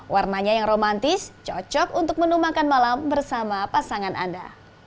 warnanya yang romantis cocok untuk menu makan malam bersama pasangan anda